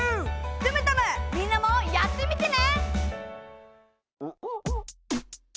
トゥムタムみんなもやってみてね！